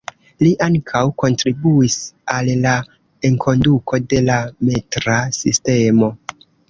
Li ankaŭ kontribuis al la enkonduko de la metra sistemo.